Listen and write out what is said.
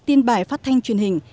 tin bài phát thanh truyền hình